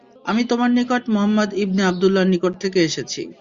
আমি তোমার নিকট মুহাম্মদ ইবনে আবদুল্লাহর নিকট থেকে এসেছি।